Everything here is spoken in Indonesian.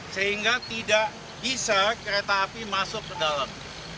sehingga tidak bisa kereta api masuk ke dalam